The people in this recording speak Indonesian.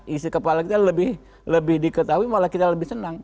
isi kepala kita lebih diketahui malah kita lebih senang